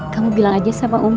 kamu bilang aja sama om